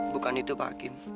bukan itu pak kim